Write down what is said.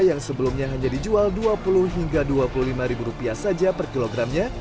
yang sebelumnya hanya dijual dua puluh hingga rp dua puluh lima saja per kilogramnya